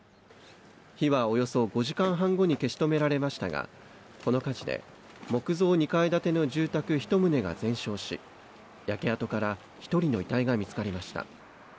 火はおよそ５時間半後に消し止められましたが、この火事で、木造２階建ての住宅１棟が全焼し、焼け跡から１人の遺体が見つかりました。